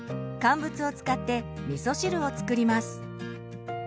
乾物を使ってみそ汁を作ります。